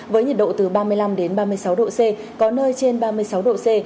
với nhiệt độ từ ba mươi năm ba mươi sáu độ c có nơi trên ba mươi sáu độ c